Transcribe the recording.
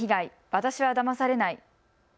私はだまされない。